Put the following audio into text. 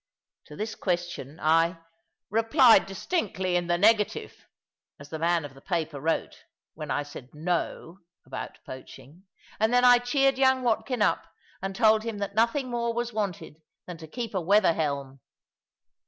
To this question I "replied distinctly in the negative" (as the man of the paper wrote, when I said "no" about poaching); and then I cheered young Watkin up, and told him that nothing more was wanted than to keep a weather helm.